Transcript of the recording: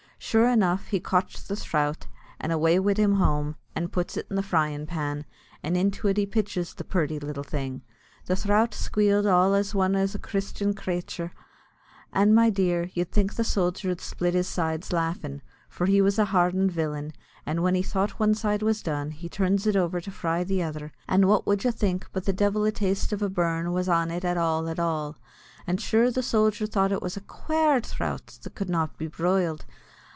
Sure enough he cotch the throut, and away wid him home, and puts an the fryin' pan, and into it he pitches the purty little thing. The throut squeeled all as one as a christian crathur, and, my dear, you'd think the sojer id split his sides laughin' for he was a harden'd villain; and when he thought one side was done, he turns it over to fry the other; and, what would you think, but the divil a taste of a burn was an it at all at all; and sure the sojer thought it was a quare throut that could not be briled.